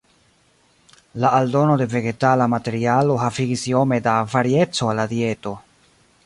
La aldono de vegetala materialo havigis iome da varieco al la dieto.